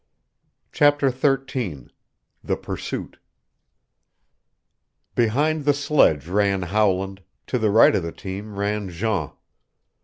CHAPTER XIII THE PURSUIT Behind the sledge ran Howland, to the right of the team ran Jean.